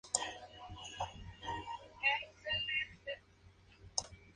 En los Cavs disputaría sus dos últimas temporadas como profesional.